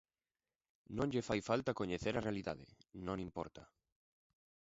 Non lle fai falta coñecer a realidade, non importa.